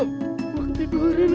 mau tiduran lagi